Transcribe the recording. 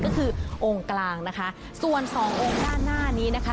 ก็คือองค์กลางนะคะส่วนสององค์ด้านหน้านี้นะคะ